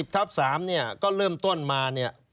๖๐ทับ๓เนี่ยก็เริ่มต้อนมา